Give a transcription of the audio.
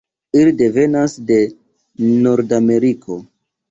Ili devenas de Nordameriko.